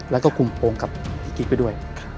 แล้วก็คุมโปรงกับพี่กิ๊กไปด้วย